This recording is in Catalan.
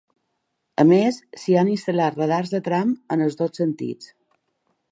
A més, s’hi han instal·lat radars de tram en els dos sentits.